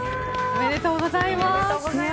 おめでとうございます！